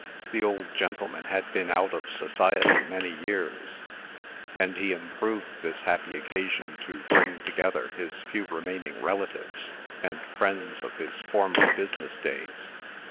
The old gentleman had been out of society many years; and he improved this happy occasion to bring together his few surviving relatives, and friends of his former business days.